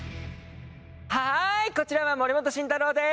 はいこちらは森本慎太郎です。